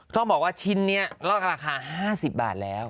ต้องบอกว่าชิ้นนี้ลอกราคา๕๐บาทแล้ว